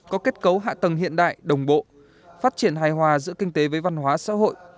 có kết cấu hạ tầng hiện đại đồng bộ phát triển hài hòa giữa kinh tế với văn hóa xã hội